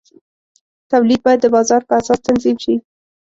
تولید باید د بازار په اساس تنظیم شي.